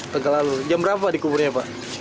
tegal alur jam berapa di kuburnya pak